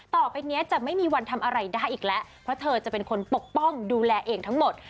ต่อไปนี้จะไม่มีวันทำอะไรได้อีกแล้วเพราะเธอจะเป็นคนปกป้องดูแลเองทั้งหมด